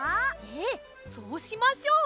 ええそうしましょう。